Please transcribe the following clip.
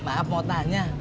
maaf mau tanya